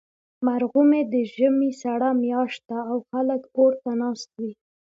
مرغومی د ژمي سړه میاشت ده، او خلک اور ته ناست وي.